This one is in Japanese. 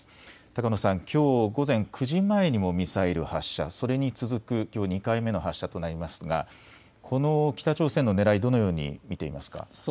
高野さん、きょう午前９時前にもミサイル発射、それに続くきょう２回目の発射となりますがこの北朝鮮のねらい、どのように見ていますか。